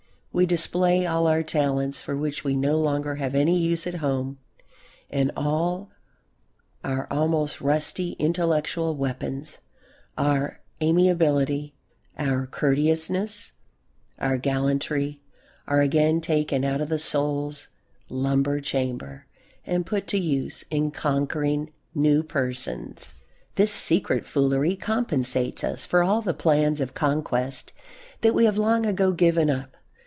We display all our talents for which we no longer have any use at home and all our almost rusty intellectual weapons, our amiability, our courteousness, our gallantry, are again taken out of the soul's lumber chamber and put to use in conquering new persons. This secret foolery compensates us for all the plans of conquest that we have long ago given up.